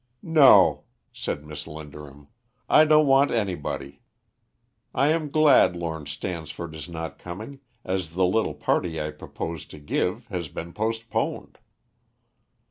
"No," said Miss Linderham, "I don't want anybody. I am glad Lord Stansford is not coming, as the little party I proposed to give, has been postponed."